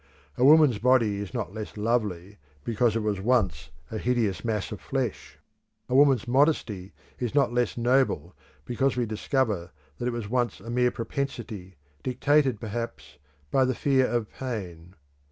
A woman's body is not less lovely because it was once a hideous mass of flesh. A woman's modesty is not less noble because we discover that it was once a mere propensity, dictated, perhaps, by the fear of pain.